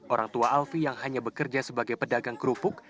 orang tua alfie yang hanya bekerja sebagai pedagang kerupuk